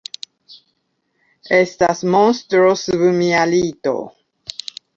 Estas monstro sub mia lito.